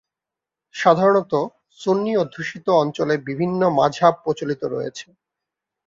সাধারণত, সুন্নি অধ্যুষিত অঞ্চলে বিভিন্ন মাজহাব প্রচলিত রয়েছে।